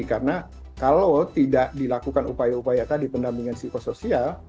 karena kalau tidak dilakukan upaya upaya tadi pendampingan psikosoial